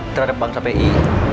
terhadap bang safei